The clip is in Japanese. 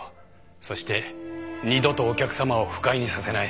そして二度とお客さまを不快にさせない。